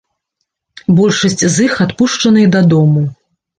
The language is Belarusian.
Большасць з іх адпушчаныя дадому.